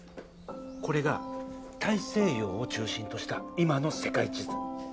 これが大西洋を中心とした今の世界地図。